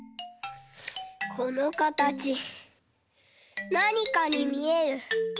このかたちなにかにみえる。